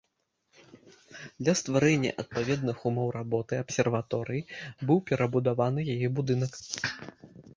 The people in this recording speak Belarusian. Для стварэння адпаведных умоў работы абсерваторыі быў перабудаваны яе будынак.